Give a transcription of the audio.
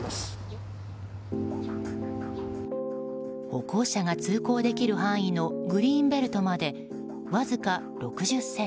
歩行者が通行できる範囲のグリーンベルトまでわずか６０ｃｍ。